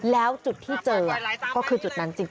แล้วจุดที่เจอก็คือจุดนั้นจริง